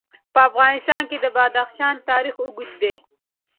په افغانستان کې د بدخشان تاریخ اوږد دی.